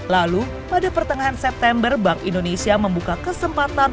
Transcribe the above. lalu pada pertengahan september bank indonesia membuka kesempatan